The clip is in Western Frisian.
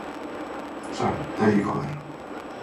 Sa, dêr wie ik al wer.